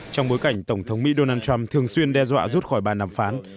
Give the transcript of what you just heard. trong bối cảnh tổng thống mỹ donald trump thường xuyên đe dọa rút khỏi bàn đàm phán